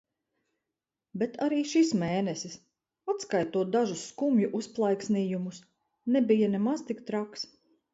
Bet arī šis mēnesis, atskaitot dažus skumju uzplaiksnījumus, nebija nemaz tik traks.